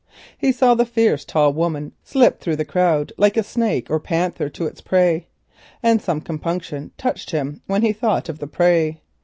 He saw the fierce tall woman slip through the crowd like a snake or a panther to its prey, and some compunction touched him when he thought of the prey.